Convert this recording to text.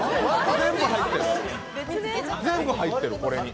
全部入ってる、これに。